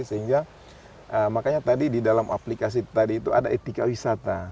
sehingga makanya tadi di dalam aplikasi tadi itu ada etika wisata